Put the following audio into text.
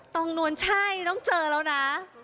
นวลใช่ต้องเจอแล้วนะ